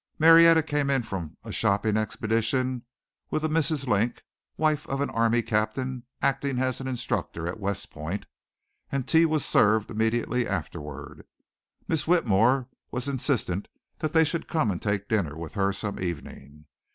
Marietta came in from a shopping expedition with a Mrs. Link, wife of an army captain acting as an instructor at West Point, and tea was served immediately afterward. Miss Whitmore was insistent that they should come and take dinner with her some evening.